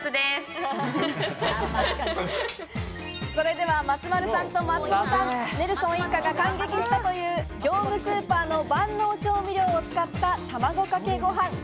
それでは松丸さんと松尾さん、ネルソン一家が大感激したという業務スーパーの万能調味料を使った卵かけご飯。